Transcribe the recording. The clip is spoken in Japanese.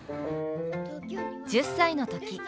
１０歳の時。